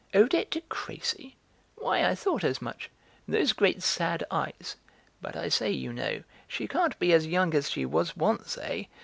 "Odette de Crécy! Why, I thought as much. Those great, sad eyes... But I say, you know, she can't be as young as she was once, eh?